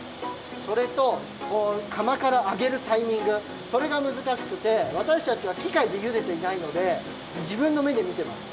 それとかまからあげるタイミングそれがむずかしくてわたしたちはきかいでゆでていないのでじぶんのめでみてます。